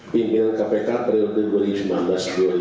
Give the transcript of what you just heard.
pimpinan kpk periode dua ribu sembilan belas dua ribu dua puluh tiga